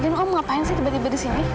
lagi kamu ngapain sih tiba tiba di sini